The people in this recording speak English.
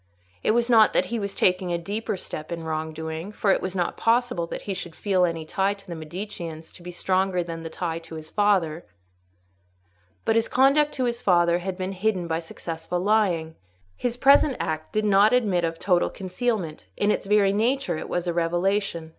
It was not that he was taking a deeper step in wrong doing, for it was not possible that he should feel any tie to the Mediceans to be stronger than the tie to his father; but his conduct to his father had been hidden by successful lying: his present act did not admit of total concealment—in its very nature it was a revelation.